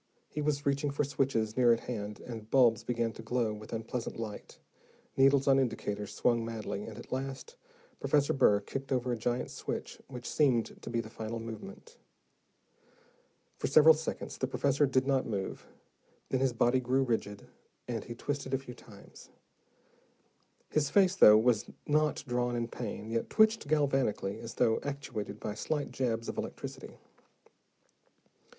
He was reaching for switches near at hand, and bulbs began to glow with unpleasant light, needles on indicators swung madly, and at last, Professor Burr kicked over a giant switch, which seemed to be the final movement. For several seconds the professor did not move. Then his body grew rigid, and he twisted a few times. His face, though not drawn in pain, yet twitched galvanically, as though actuated by slight jabs of electricity.